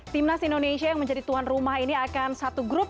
timnas indonesia yang menjadi tuan rumah ini akan satu grup